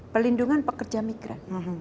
perlindungan pekerja migran